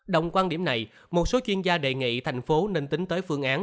đồng quan điểm này một số chuyên gia đề nghị thành phố nên tính tới phương án